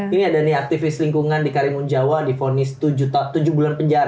ini ada nih aktivis lingkungan di karimun jawa difonis tujuh bulan penjara